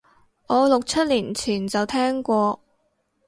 我六七年前就聽過